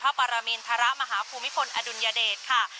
พระปรมีนธรมหาภูมิฝนอดุญเดชน์ค่ะ